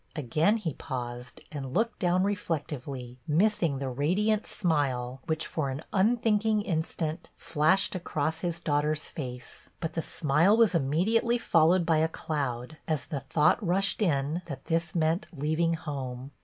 Again he paused and looked down reflectively, missing the radiant smile, which, for an unthinking instant, flashed across his daughter's face ; but the smile was immediately followed by a cloud, as the thought rushed in that this meant leaving home.